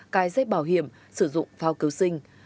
cài giấy bảo hiểm sử dụng phao cứu sinh